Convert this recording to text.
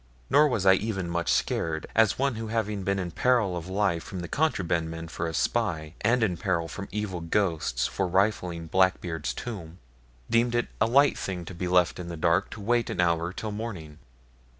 Nor was I even much scared, as one who having been in peril of life from the contraband men for a spy, and in peril from evil ghosts for rifling Blackbeard's tomb, deemed it a light thing to be left in the dark to wait an hour till morning.